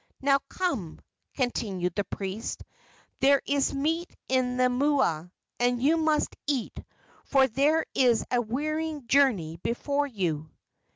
Now come," continued the priest, "there is meat in the mua, and you must eat, for there is a wearying journey before you."